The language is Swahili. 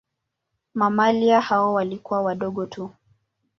Mamalia hao walikuwa wadogo tu.